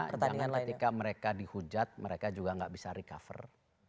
karena jangan ketika mereka dihujat mereka juga nggak bisa recover